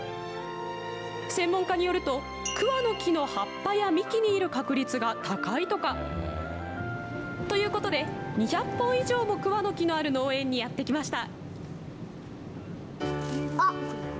専門家によると、桑の木の葉っぱや幹にいる確率が高いとか。ということで、２００本以上も桑の木がある農園にやって来ました。